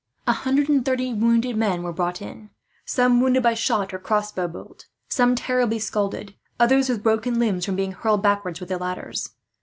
A hundred and thirty wounded men were brought in, some wounded by shot or crossbow bolt, some terribly scalded, others with broken limbs from being hurled backwards with the ladders.